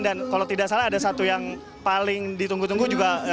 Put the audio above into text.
dan kalau tidak salah ada satu yang paling ditunggu tunggu juga